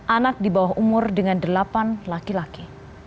anak di bawah umur dengan delapan laki laki